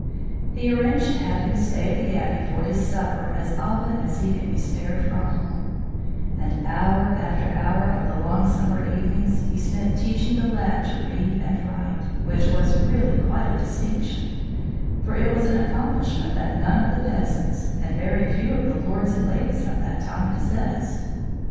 He arranged to have him stay at the Abbey for his supper as often as he could be spared from home; and hour after hour of the long summer evenings he spent teaching the lad to read and write, which was really quite a distinction; for it was an accomplishment that none of the peasants, and very few of the lords and ladies of that time possessed.